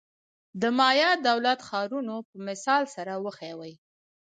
د مایا دولت-ښارونو په مثال سره وښیو.